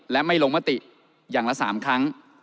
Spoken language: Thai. และไม่ลงมติอย่างละ๓ครั้ง